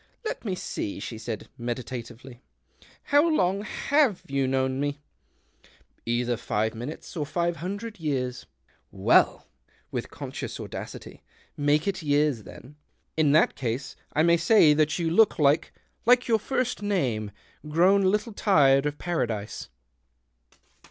" Let me see," she said meditatively, " how long have you known me ?" "Either five minutes, or five hundred years." " Well "— with conscious audacity —" make it years, then." " In that case I may say that you look THE OCTAVE OF CLAUDIUS. 163 like — like your first name, grown a little tired of paradise."